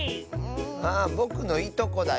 あぼくのいとこだよ！